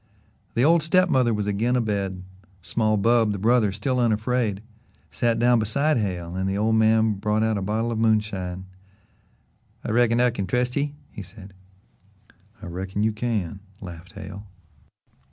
The old step mother was again a bed; small Bub, the brother, still unafraid, sat down beside Hale and the old man brought out a bottle of moonshine. "I reckon I can still trust ye," he said. "I reckon you can," laughed Hale.